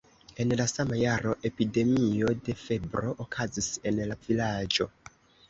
En la sama jaro epidemio de febro okazis en la vilaĝo.